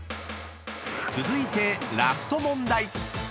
［続いてラスト問題］